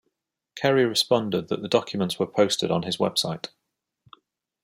Kerry responded that the documents were posted on his website.